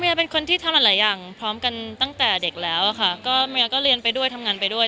เป็นคนที่ทำหลายอย่างพร้อมกันตั้งแต่เด็กแล้วอะค่ะก็เมียก็เรียนไปด้วยทำงานไปด้วย